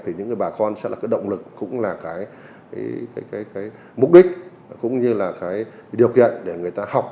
thì những bà con sẽ là động lực mục đích điều kiện để người ta học